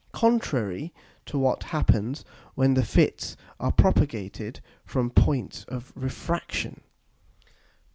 contrary to what happens when the Fits are propagated from points of Refraction.